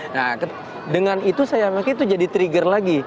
nah dengan itu saya pikir itu jadi trigger lagi